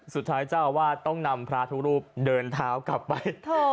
เจ้าอาวาสต้องนำพระทุกรูปเดินเท้ากลับไป